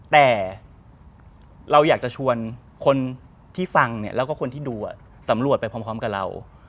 แต่เราอยากจะชวนคนที่ฟังเนี่ยแล้วก็คนที่ดูสำรวจไปพร้อมกับเรา